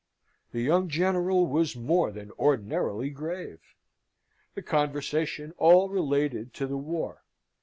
The young General was more than ordinarily grave. The conversation all related to the war.